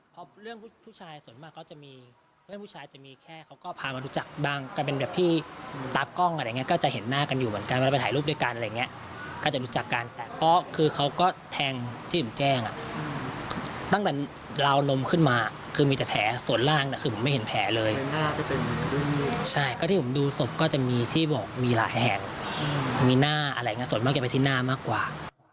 พี่บอกมีหลายแห่งมีหน้าอะไรอย่างงี้สวนมากจะไปที่หน้ามากกว่า